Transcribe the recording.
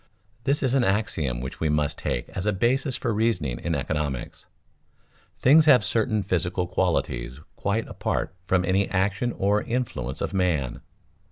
_ This is an axiom which we must take as a basis for reasoning in economics. Things have certain physical qualities quite apart from any action or influence of man.